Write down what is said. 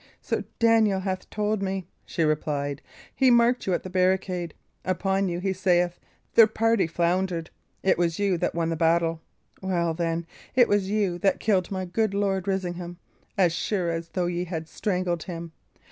"Sir Daniel hath told me," she replied. "He marked you at the barricade. Upon you, he saith, their party foundered; it was you that won the battle. Well, then, it was you that killed my good Lord Risingham, as sure as though ye had strangled him.